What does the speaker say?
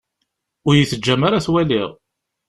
Ur yi-teǧǧam ara ad t-waliɣ.